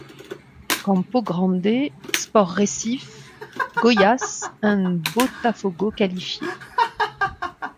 Campo Grande, Sport Recife, Goiás and Botafogo qualifiés.